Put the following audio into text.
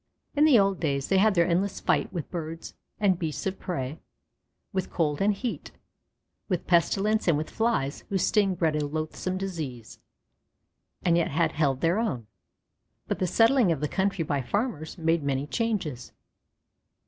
In the old days they had their endless fight with Birds and Beasts of Prey, with cold and heat, with pestilence and with flies whose sting bred a loathsome disease, and yet had held their own. But the settling of the country by farmers made many changes.